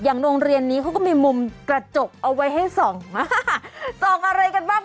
โรงเรียนนี้เขาก็มีมุมกระจกเอาไว้ให้ส่องมาส่องอะไรกันบ้าง